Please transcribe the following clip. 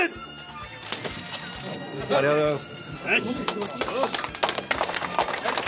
ありがとうございます。